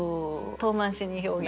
遠回しに表現。